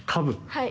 はい。